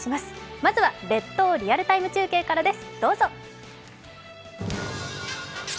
まずは「列島リアルＴＩＭＥ！中継」からです。